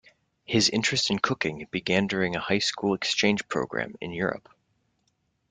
His interest in cooking began during a high school exchange program in Europe.